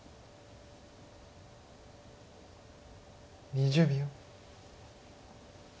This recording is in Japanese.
２０秒。